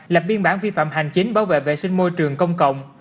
lập biên bản vi phạm hành chính bảo vệ vệ sinh môi trường công cộng